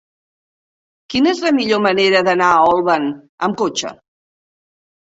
Quina és la millor manera d'anar a Olvan amb cotxe?